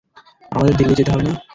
আমাদের দিল্লি যেতে হবে না?